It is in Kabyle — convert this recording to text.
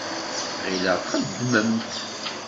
Ɣileɣ txeddmemt.